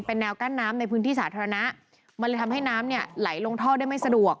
เป็นแนวกั้นน้ำในพื้นที่สาธารณะมันเลยทำให้น้ำเนี่ยไหลลงท่อได้ไม่สะดวก